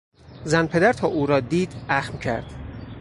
زن پدر تا او را دید اخم کرد.